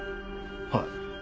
はい。